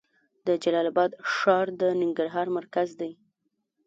د جلال اباد ښار د ننګرهار مرکز دی